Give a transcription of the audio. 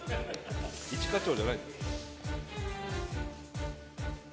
一課長じゃないの？